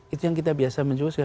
itu yang kita biasa menjelaskan